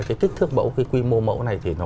cái kích thước mẫu cái quy mô mẫu này thì nó